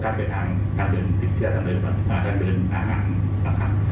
ทังกูย้ายทั้งสุดคือติดเชื้อทั้งแบตทีเดียวทั้งไวรักษณ์